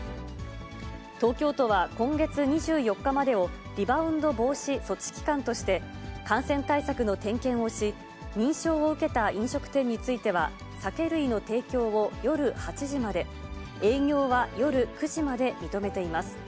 東京都は今月２４日までをリバウンド防止措置期間として、感染対策の点検をし、認証を受けた飲食店については、酒類の提供を夜８時まで、営業は夜９時まで認めています。